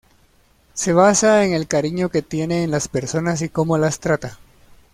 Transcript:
Se basa en el cariño que tiene en las personas y como las trata.